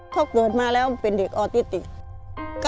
ถ้าโกรธมาแล้วเป็นเด็กออทิตย์อีก